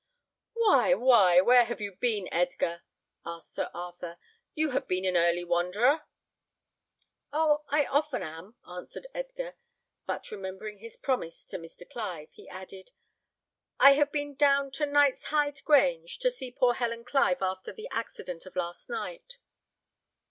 "Why, why, where have you been, Edgar?" asked Sir Arthur; "you have been an early wanderer." "Oh! I often am," answered Edgar; but remembering his promise to Mr. Clive, he added, "I have been down to Knight's hyde Grange, to see poor Helen Clive after the accident of last night."